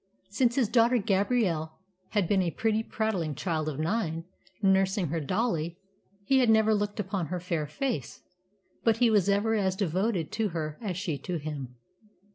Since his daughter Gabrielle had been a pretty, prattling child of nine, nursing her dolly, he had never looked upon her fair face. But he was ever as devoted to her as she to him.